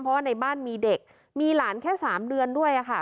เพราะว่าในบ้านมีเด็กมีหลานแค่๓เดือนด้วยค่ะ